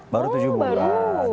baru tujuh bulan oh baru